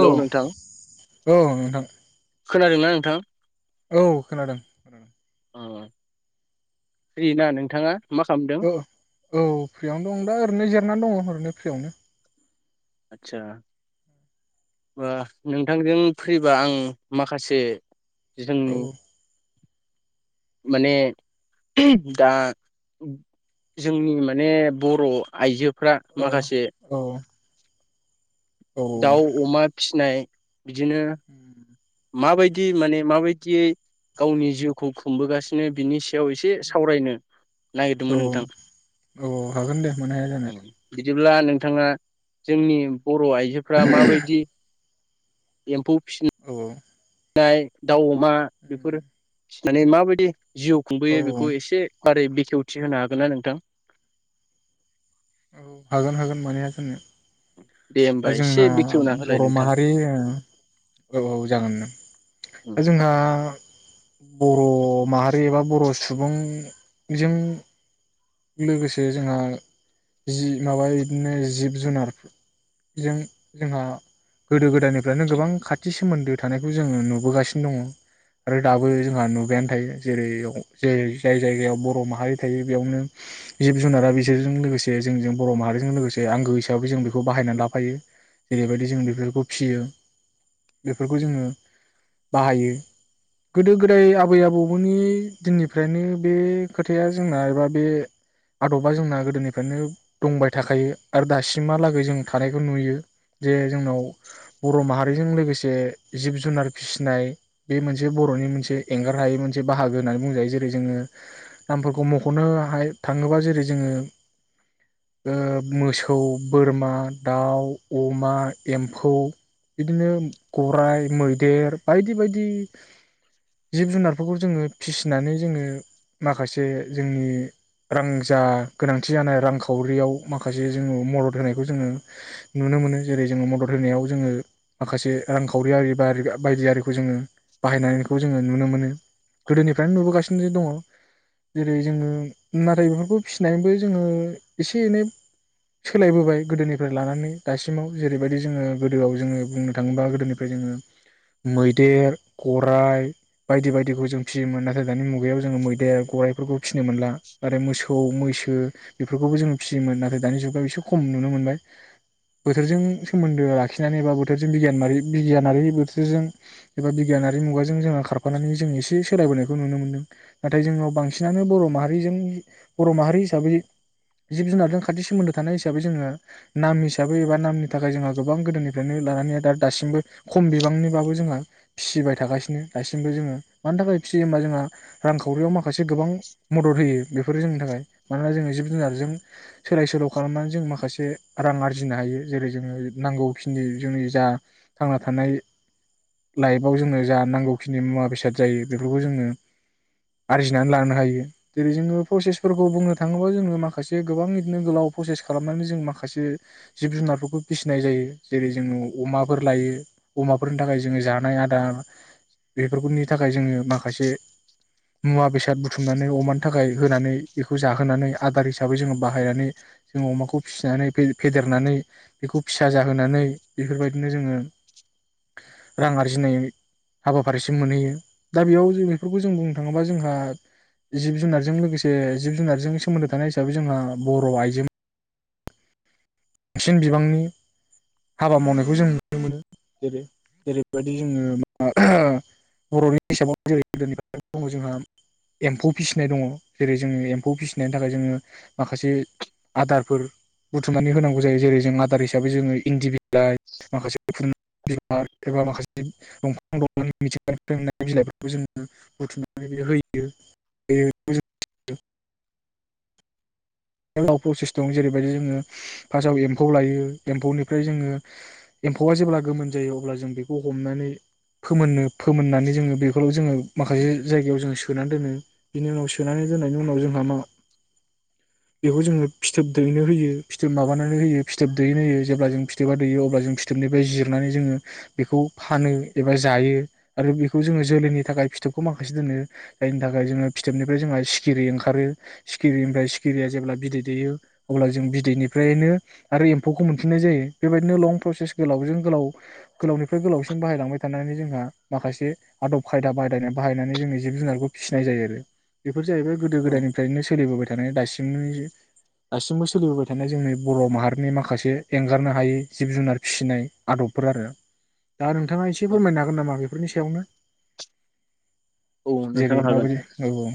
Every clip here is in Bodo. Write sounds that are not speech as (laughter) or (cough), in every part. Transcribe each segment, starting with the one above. औ नोंथां औ नोंथां। खोनादोंना नोंथां औ खोनादों अ फ्रिना नोंथाङा मा खालामदों ओ औ फ्रियावनो दं दा ओरैनो जिरायनानै दङ ओरैनो फ्रियावनो आत्चा बा नोंथांजों फ्रिबा आं माखासे औ जोंनि माने दा जोंनि माने बर' आइजो फ्रा औ माखासे औ औ दाउ अमा फिसिनाय बिदिनो माबायदि माने माबायदियै गावनि जिउखौ खुंबोगासिनो बिनि सायाव एसे सावरायनो औ नागिरदोंमोन नोंथां औ हागोन दे मानो हाया जानो जेब्ला नोंथाङा जोंनि बर' आइजोफ्रा माबायदि एम्फौ फिसि उम (unintelligible) दाउ मा बेफोर माने माबायदि जिउ औ खुंबोयो बेखौ एसे मारै बेखेवथि होनो हागोन ना नोंथां औ हागोन हागोन मानो हाया जानो दे होमबा दा एसे जोंना बेखेवना होलाय नोंथां बरमाहारि ओ औ औ जागोननो था जोंना बर' माहारि एबा बर' सुबुंजों लोगोसे जोंहा जि माबा बिदिनो जिब जुनारजों जोंहा गोदो गोदाय गोदायनिफ्रायनो गोबां खाथि सोमोन्दो थानायखौ जोङो नुबोगासिनो दङ आरो दाबो जोंहा नुबायानो थायो जेरै-जेरै जाय जायगायाव बर माहारि थायो बेयावनो जिब जुनारा बिसोरजों लोगोसे जोंजों बर' माहारिजों लोगोसे आंगो हिसाबै जों बेखौ बाहायनानै लाफायो जेरैबायदि जों बेफोरखौ फियो बेफोरखौ जोङो बाहायो गोदो गोदाय आबै आबौमोननि दिननिफ्रायनो बे खोथाया जोंना एबा बे आदबा जोंना गोदोनिफ्रायनो दंबाय थाखायो आरो दासिमहालागै जों थानायखौ नुयो जे जोंनाव बर' माहारिजों लोगोसे जिब जुनार फिसिनाय बे मोनसे बर'नि मोनसे एंगार हायै मोनसे बाहागो होननानै बुंजायो जेरै जोङो नामफोरखौ मखनो हाय थाङोबा जेरै जोङो मोसौ, बोरमा, दाउ, अमा, एम्फौ बिदिनो गराइ मैदेर बायदि बायदि जिब जुनारफोरखौ जोङो फिसिनानै जोङो माखासे जोंनि रां जा गोनांथि जानाय रांखावरियाव माखासे जोङो मदद होनायखौ जोङो नुनो मोनो जेरै जोङो मदद होनायाव जोङो माखासे रांखावरियारि बा बारि-बायदियारि जोङो बाहायनायखौ जोङो नुनो मोनो गोदोनिफ्रायनो नुबोगासिनो दङ जेरै जोङो नाथाय बेफोरखौ फिसिनानैबो जोङो एसे एनै सोलायबोबाय गोदोनिफ्राय लानानै दासिमाव जेरैबायदि जोङो गोदोआव जोङो बुंनो थाङोबा गोदोनिफ्राय जोङो मैदेर गराइ बायदि बायदिखौ जों फिसियोमोन नाथाय दानि मुगायाव जोङो मैदेर गराइफोरखौ फिसिनो मोनला आरो मोसौ मैसो बेफोरखौबो जोङो फिसियोमोन नाथाय दानि जुगाव एसे खम नुनो मोनबाय बोथोरजों सोमोन्दो लाखिनानै एबा बोथोरजों बिगियानारि बिगियानारि बोथोरजों एबा बिगियानारि मुगाजों जों खारफानानै जों एसे सोलायबोनायखौ नुनो मोनदों, नाथाय जोंनाव बांसिनानो बर' माहारिजों बर' माहारि हिसाबै जिब जुनारजों खाथि सोमोन्दो थानाय हिसाबै जोङो नाम हिसा साबै एबा नामनि थाखाय जोंहा गोबां गोदोनिफ्रायनो लानानै दा दासिमबो खम बिबांनिबाबो जोंहा फिसिबाय थागासिनो दासिमबो जोङो मानि थाखाय फिसियो होमबा जोंहा रांखावरियाव माखासे गोबां मदद होयो। बेफोरो जोंनि थाखाय मानोना जोङो जिब जुनारजों सोलाय सोल' खालामनानै जों माखासे रां आरजिनो हायो जेरै जोङो नांगौखिनि जोंनि जा थांना थानाय लाइफआव जोङो जा नांगौखिनि मुवा बेसाद जायो बेफोरखौ जोङो आरजिनानै लानो हायो जेरै जोङो प्रसेसफोरखौ बुंनो थाङोब्ला जोङो माखासे गोबां बिदिनो गोलाव प्रसेस खालामनानै जों माखासे जिब जुनारफोरखौ फिसिनाय जायो जेरै जोङो अमाफोर लायो अमाफोरनि थाखाय जोङो जानाय आदार बेफोरनि थाखाय जोङो माखासे मुवा बेसाद बुथुमनानै अमानि थाखाय होनानै बेखौ जाहोनानै आदार हिसाबै जोङो बाहायनानै जों अमाखौ फिसिनानै फेदेरनानै बेखौ फिसा जाहोनानै बेफोरबायदिनो जोङो रां आरजिनाय हाबाफारिसो मोनहैयो दा बेयाव जों बेफोरखौ जों बुंनो थाङोबा जोंहा जिब जु जों लोगोसे जिब जुनारजों सोमोन्दो थानाय हिसाबै जोंहा बर' आइजो बांसिन बिबांनि हाबा मावनायखौ जों नुनो मोनो जेरै जेरैबायदि जोङो बर'नि हिसाबाव जेरै दिनै दङ जोंहा एम्फौ फिसिनाय दङ जेरै जोङो एम्फौ फिसिनायनि थाखाय जोङो माखासे आदारफोर बुथुमनानै होनां गौ जायो जेरै जों आदार हिसाबै जोङो इनदि बि लाइ माखासे (unintelligible) बिलाइ एबा माखासे दंफां दंलानि मिथिंगानिफ्राय बिलाइफोरखौ जों बुथुमनानै होयो (unintelligible) गोलाव प्रसेस दं जेरैबायदि जोङो फार्स्टआव एम्फौ लायो एम्फौनिफ्राय जोङो एम्फौआ जेब्ला गोमोन जायो अब्ला जों बेखौ हमनानै फोमोननो फोमोननानै जोङो बेखौल' जोङो माखासे जायगायाव जोङो सोनानै दोनो बिनि उनाव सोनानै दोननायनि उनाव जोंहा मा बेखौ जोङो फिथोब दैनो होयो फिथोब माबानानै होयो फिथोब दैैनो होयो जेब्ला जों फिथोबा दैयो अब्ला जों फिथोबनिफ्राय जिरनानै जोङो बेखौ फानो एबा जायो आरो बेखौ जोङो जोलैनि थाखाय फिथोबखौ माखासे दोनो जायनि थाखाय जोङो फिथोबनिफ्राय जोंहा सिखिरि ओंखारो सिखिरिनिफ्राय सिखिरिया जेब्ला बिदै दैयो अब्ला जों बिदैनिफ्रायनो आरो एम्फौखौ मोनफिननाय जायो बेबायदिनो लं प्रसेस गोलावजों गोलाव गोलावनिफ्राय गोलावसिम बाहायलांबाय थानानै जों हा माखासे आदब खायदा बादाय बाहायनानै जोंनि जिब जुनारखौ फिसिनाय जायो आरो बे फोर जाहैबाय गोदो औ गोदायनिफ्रायनो सोलिबोबाय थानाय दासिम (unintelligible) दासिमबो सोलिबोबाय थानाय जोंनि बर' माहारिनि माखासे एंगारनो हायै जिब जुनार फिसिनाय आदबफोर आरो। दा नोंथाङा एसे औ फोरमायनो हागोन नामा बेफोरनि सायावनो? औ जेरै नोंथां हागोन माबोरै औ औ।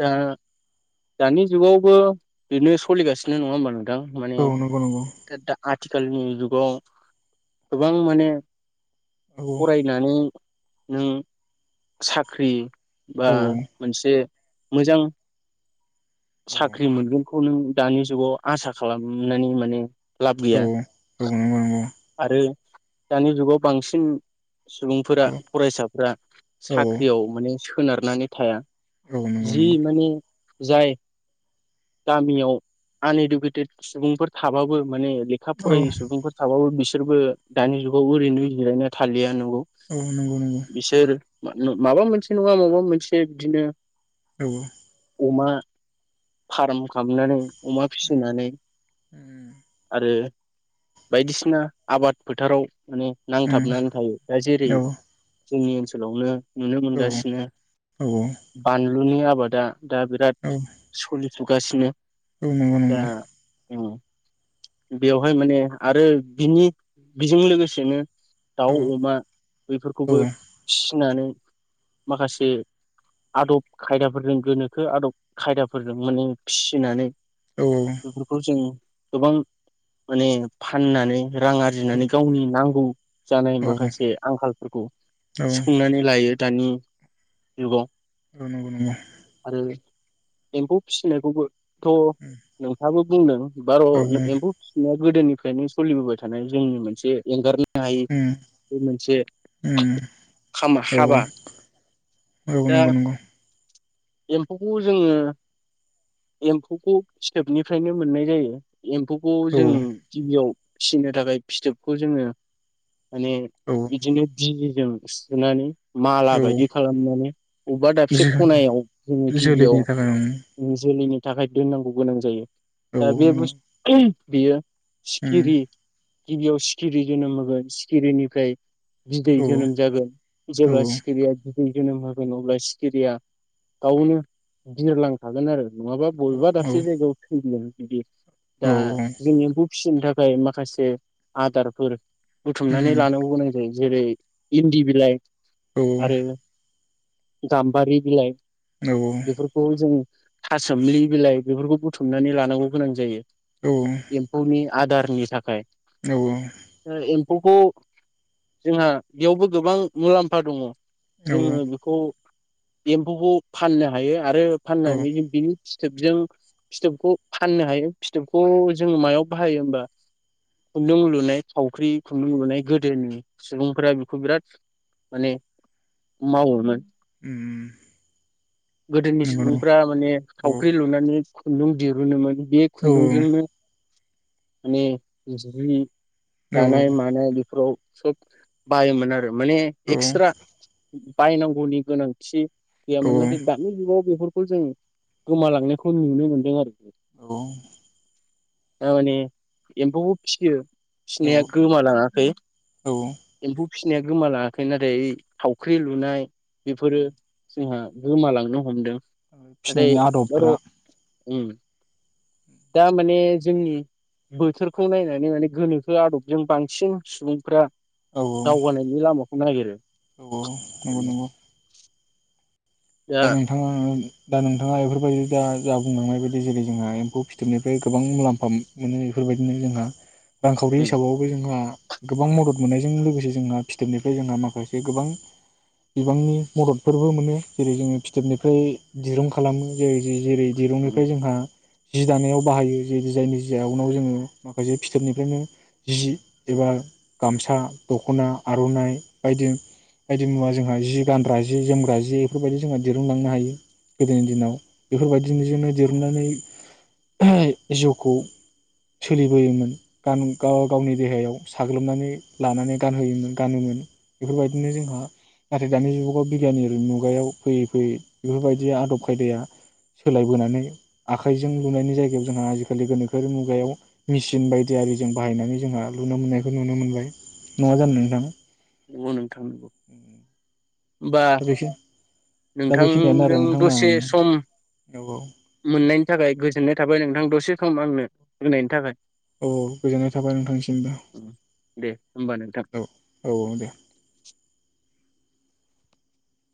दा दानि जुगावबो बेनो सलिगासिनो नङा होमबानो नों थां माने औ औ नंगौ नंगौ दा-दा आथिखालनि जुग (unintelligible) गोबां माने औ फरायनानै नों साख्रि बा औ मोनसे मोजां औ साख्रि मोनगोन (unintelligible) दानि जुगाव आसा खालामनानै माने लाब औ गैया (unintelligible) आरो दानि जुगाव बांसिन सुबुंफोरा औ फरायसाफोरा औ साख्रियाव माने सोनारनानै थाया। औ नंगौ जि नंगौ माने जाय गामियाव आनइडुकेटेड सुबुंफोर थाबाबो माने लेखा औ नंगौ औ फरायै सुबुंफोर थाबाबो बिस बिसोरबो दानि जुगाव ओरैनो जिरायना थालिया औ, बिसोर मा नो माबा मोनसे नङा माबा मोनसे बिदिनो औ अमा फाराम खालामनानै अमा फिसिनानै आरो बायदिसिना आबाद फोथाराव माने नांथाबनानै थायो दा जेरै जोंनि ओनसोलावनो नुनो मोनगासिनो बान लुनि आबादा दा बिराद सलि सुगासिनो औ नंगौ-नंगौ उम बेवहाय माने आरो बिनि बेजों लोगोसेनो दाउ औ अमा बेफोरखौबो फिनानै माखासे आदब खायदाफोरजों गोनोखो आदब खायदाफोरजों माने फिसिनानै बेफोरखौ जों गोबां माने फाननानै रां आरजिनानै गावनि नांगौ, जानाय माखासे आंखालफोरखौ सोंनानै लायो दानि (unintelligible) ओ नंगौ-नंगौ आरो एम्फौ फिसिनायखौबो थ' नोंथाङाबो बुंदों बार एम्फौ फिसिनाया गोदोनिफ्रायनो सोलिबोबाय थानाय जोंनि मोनसे एंगारनो हायै बे मोनसे खामा- औ औ हाबा। औ दा नंगौ नंगौ एम्फौखौ जोङो एम्फौखौ फिथोबनिफ्रायनो मोननाय जायो। एम्फौखौ औ जों गिबियाव फिसिनो थाखाय फिथोबखौ जोङो माने औ बिदिनोदि जों सुनानै माला औ बायदि खालामनानै अबा दाबसे जिखुनु ख'नायाव जोङो गिबियाव जोलैनि थाखाय जोलैनि थाखाय दोननांगौ गोनां जायो। दा‌‌ बे ओं औ बुस बियो औ सिखिरि नंगौ गिबियाव सिखिरि जोनोम होगोन सिखिरिनिफ्राय बिदै जोनोम जागोन उम औ जेब्ला सिखिरिया जोनोम होगोन अब्ला सिखिरिया गावनो बिरलां हागोन आरो नङाबा बबेबा औ दाबसि जायगायाव थैहैगोन। बिदि दा औ जों एम्बु फिसिनो थाखाय माखासे आदारफोर बुथुमनानै उम लानांगौ गोनां जायो। जेरै इन्दि बिलाइ औ आरो गामबारि बिलाय औ बेफोरखौ जों थासोमलि बिलाइ बेफोरखौ बुथुमनानै लानांगौ गोनां जायो। एम्फौनि आदारनि थाखाय औ। खौ जोंहा बेयावबो गोबां मुलाम्फा दंङ। औ जोंङो बेखौ एम्फौखौ फाननो हायो आरो औ फाननानैनो बेनि फिथोबजों-फिथोबखौ फाननो हायो फिथोबखौ जोंङो मायाव बाहायो होमबा खुन्दुं लुनाय थावख्रि। खुंन्दुं लुनाय गोदोनि सुबुंफोरा बेखौ बिराद माने मावोमोन। अम नंगौ नामा। फ्रा माने थावख्रि लुनानै खुन्दुं दिरुननोमोन। बे औ खुन्दुंजोंनो माने मानसिफोरनि औ दानाय मानाय बेफोराव सब बाहायोमोन आरो। माने एक्सत्ता बायनांगौनि गोनांथि गैयामोन नाथाय दानि जुगाव बेफोर खौ जों गोमालांनायखौ नुनो मोनदों आरोखि। औ दा माने एम्फौबो फियो औ फिनाया गोमालांङाखै औ फिनाया गोमालांङाखै नाथाय थावख्रि लुनाय बेफोरो जोंहा गोमालांनो हमदों। फिनायनि आदबफ्रा अम दा माने जोंनि बोथोरखौ नायनानै माने गोनोखो आदबजों बांसिन सुबुंफ्रा औ दावगानायनि लामा खौ नागिरो। औ औ नोंगौ नोंगौ दा नोंथांङा दा नोंथांङा एफोरबायदि दा जा बुंलांनाय बायदि जेरै जोंहा एम्फौ फिथोबनिफ्राय गोबां मुलाम्फाम मोनो एफोरबायदिनो जोंहा रांखावरि उम हिसाबावबो जोंहा गोबां मदद मोननायजों लोगोसे जोंहा फिथोबनिफ्राय जोंहा माखासे गोबां बिबांनि मददफोरबो मोनो। जेरै जोङो फिथोबनिफ्राय दिरुं खालामो जेरै जि जेरै उम दिरुंनिफ्राय जोंहा जि दानायाव बाहायो जि जायनि जिया उनाव जोङो माखासे फिथोबनिफ्रायनो जि एबा गामसा दखना आरनाइ बायदि बायदि मुवा जोंहा जि गानग्रा जि जोमग्रा जि बेफोरबायदि जोंहा दिरुंलांनो हायो गोदोनि दिनाव बेफोरबायदिनो दिरुंनानै जिउखौ सोलिबोयोमोन गान गाव-गावनि देहायाव साग्लोबनानै लानानै गानहोयोमोन गानोमोन बेफोरबायदिनो जोंहा नाथाय दानि जुगावबा बिगियानोरि मुग मुगायाव फैयै फैयै बेफोरबायदि आदब खायदाया सोलायबोनानै आखाइजों लुनायनि जायगायाव जोंहा आजिखालि गोनोखोआरि मुगायाव मेसिन बायदि आरिजों बाहायनानै जोंहा लुनो मोननायखौ नुनो मोनबाय। नङा जानो नोंथां। अ नों थां गो होमबा दा बेखि दा बेखिनियानो आरो नोंथांजों नोंथांना औ दसे सम औ मोननायनि थाखाय गोजोननाय थाबाय नोंथां दसे खम आंनो होनायनि थाखाय। औ गोजोननाय थाबाय नोंथांनिसिमबो दे होमबा नोंथां औ औ औ दे।